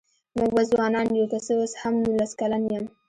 مونږ به ځوانان يوو که څه اوس هم نوولس کلن يم